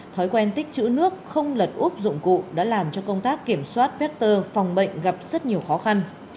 thói quen tích chữ nước không lật úp dụng cụ đã làm cho công tác kiểm soát vector phòng bệnh gặp rất nhiều khó khăn